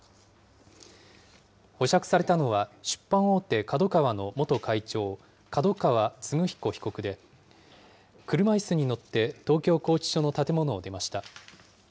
保釈されたのは出版大手、ＫＡＤＯＫＡＷＡの元会長、角川歴彦被告で、車いすに乗って東京拘置所の建物を出ました。